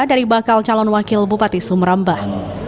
dari bakal calon wakil bupati sumerambah